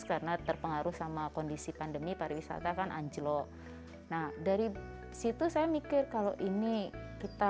karena terpengaruh sama kondisi pandemi pariwisata kan anjlok nah dari situ saya mikir kalau ini kita